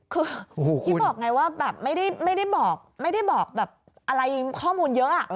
คือคิดบอกไงว่าแบบไม่ได้บอกอะไรข้อมูลเยอะ